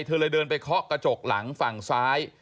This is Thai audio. เธอเลยเดินไปเคาะกระจกหลังฝั่งซ้าย